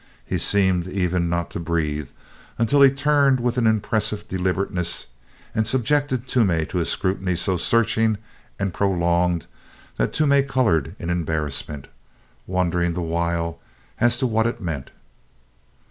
He seemed even not to breathe until he turned with an impressive deliberateness and subjected Toomey to a scrutiny so searching and prolonged that Toomey colored in embarrassment, wondering the while as to what it meant.